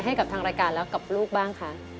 ให้กับทางรายการแล้วกับลูกบ้างคะ